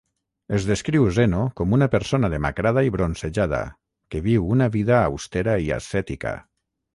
Es descriu Zeno com una persona demacrada i bronzejada, que viu una vida austera i ascètica.